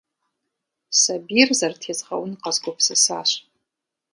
Сабийр зэрытезгъэун къэзгупсысащ.